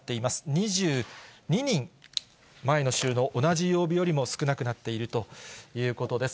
２２人、前の週の同じ曜日よりも少なくなっているということです。